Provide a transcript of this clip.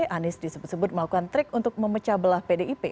anies disebut sebut melakukan trik untuk memecah belah pdip